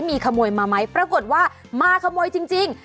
มีขโมยมาไหมปรากฏว่ามาขโมยจริง